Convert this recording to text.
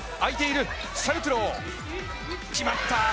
決まった！